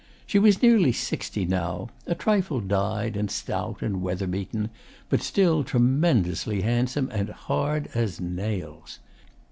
She was nearly sixty now, a trifle dyed and stout and weather beaten, but still tremendously handsome, and hard as nails.